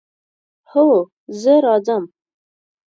هو، زه راځم